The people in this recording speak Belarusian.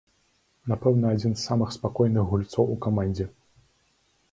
Напэўна, адзін з самых спакойных гульцоў у камандзе.